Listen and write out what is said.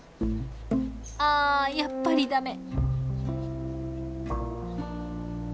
あやっぱりだめ。